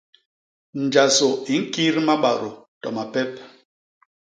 Njasô i ñkit mabadô to mapep.